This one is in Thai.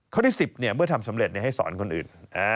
ที่๑๐เมื่อทำสำเร็จให้สอนคนอื่น